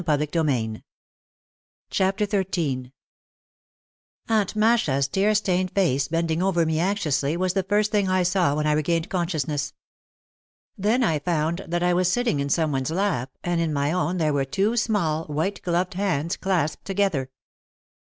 OUT OF THE SHADOW 53 XIII Aunt Masha's tear stained face, bending over me anxiously, was the first thing I saw when I regained consciousness. Then I found that I was sitting in some one's lap and in my own there were two small, white gloved hands clasped together.